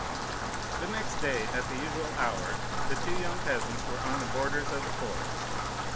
"The next day, at the usual hour, the two young peasants were on the borders of the forest.